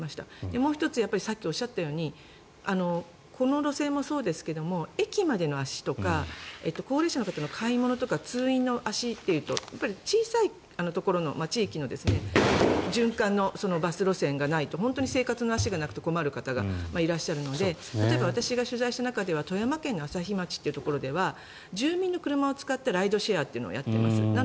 もう１つさっきおっしゃったようにこの路線もそうですが駅までの足とか高齢者の買い物とか通院の足というと小さいところの地域の循環のバス路線がないと生活の足がなくて困る方がいらっしゃるので例えば私が取材した中では富山県の朝日町というところでは住民の車を使ったライドシェアというのをやっています。